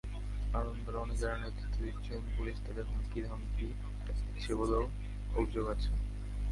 আন্দোলনে যারা নেতৃত্ব দিচ্ছেন, পুলিশ তাঁদের হুমকিধমকি দিচ্ছে বলেও অভিযোগ আছে।